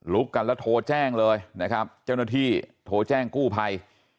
กันแล้วโทรแจ้งเลยนะครับเจ้าหน้าที่โทรแจ้งกู้ภัย